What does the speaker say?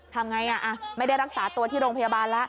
ทำอย่างไรอ่ะไม่ได้รักษาตัวที่โรงพยาบาลล่ะ